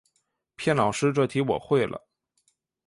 骗老师这题我会了